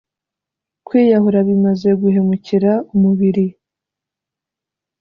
kwiyahura bimaze guhemukira umubiri.